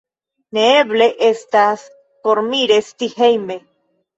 Neeble estas por mi resti hejme!